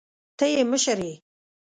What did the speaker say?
ته يې مشر يې.